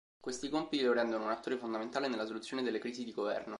Questi compiti lo rendono un attore fondamentale nella soluzione delle crisi di Governo.